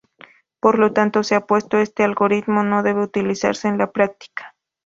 Por lo tanto, se ha propuesto este algoritmo no debe utilizarse en la práctica.